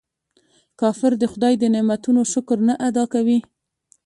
کافر د خداي د نعمتونو شکر نه ادا کوي.